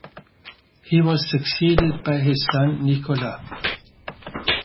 He was succeeded by his son Nicholas.